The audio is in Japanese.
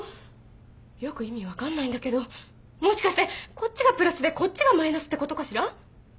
よく意味分かんないんだけどもしかしてこっちがプラスでこっちがマイナスってことかしら？